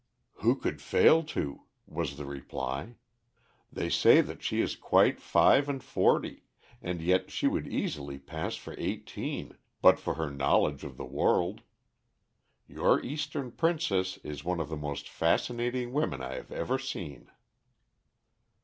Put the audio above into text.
"Who could fail to?" was the reply. "They say that she is quite five and forty, and yet she would easily pass for eighteen, but for her knowledge of the world. Your Eastern Princess is one of the most fascinating women I have even seen."